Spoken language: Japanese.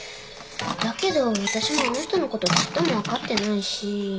だけど私もあの人のことちっとも分かってないし。